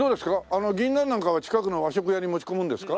あのギンナンなんかは近くの和食屋に持ち込むんですか？